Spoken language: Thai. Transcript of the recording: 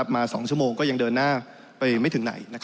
มา๒ชั่วโมงก็ยังเดินหน้าไปไม่ถึงไหน